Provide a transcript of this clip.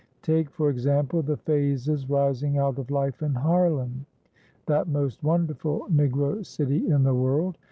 Take, for example, the phases rising out of life in Harlem, that most wonderful Negro city in the world.